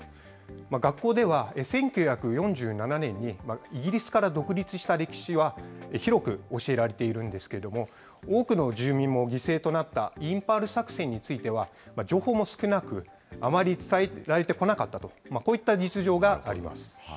学校では、１９４７年にイギリスから独立した歴史は広く教えられているんですけれども、多くの住民も犠牲となったインパール作戦については、情報も少なく、あまり伝えられてこなかったと、こういった実情があります。